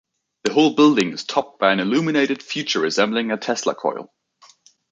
The whole building is topped by an illuminated feature resembling a Tesla coil.